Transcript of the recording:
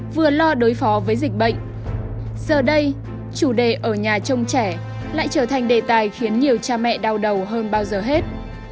vừa lo đối phó với dịch bệnh giờ đây chủ đề ở nhà trông trẻ lại trở thành đề tài khiến nhiều cha mẹ đau đầu hơn bao giờ hết